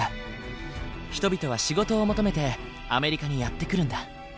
人々は仕事を求めてアメリカにやって来るんだ。